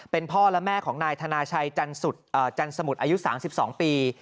เป็นพ่อและแม่ของนายธนาชัยจันสมุทรอายุ๓๒ปี